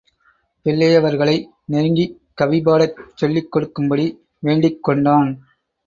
பிள்ளையவர்களை நெருங்கிக் கவிபாடச் சொல்லிக் கொடுக்கும்படி வேண்டிக் கொண்டான்.